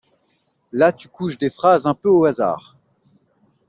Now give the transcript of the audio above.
Là tu couches des phrases un peu au hasard.